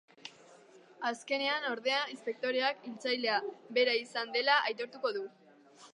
Azkenean ordea inspektoreak hiltzailea bera izan dela aitortuko du.